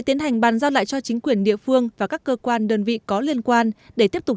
tiến hành bàn giao lại cho chính quyền địa phương và các cơ quan đơn vị có liên quan để tiếp tục